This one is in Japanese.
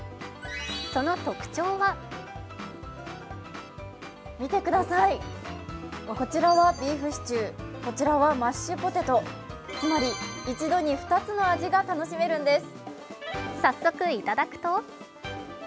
その特徴は見てください、こちらはビーフシチュー、こちらはマッシュポテトつまり一度に２つの味が楽しめるんです。